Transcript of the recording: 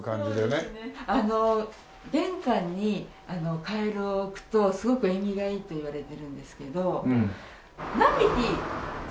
あの玄関にカエルを置くとすごく縁起がいいといわれてるんですけど何匹玄関に置くとカエルを。